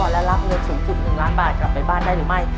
และรับเงินสูงสุด๑ล้านบาทกลับไปบ้านได้หรือไม่